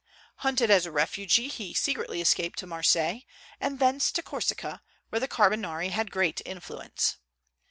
Hunted as a refugee, he secretly escaped to Marseilles, and thence to Corsica, where the Carbonari had great influence.